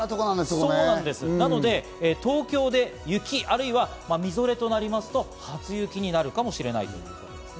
なので、東京で雪、あるいはみぞれとなりますと初雪になるかもしれないということですね。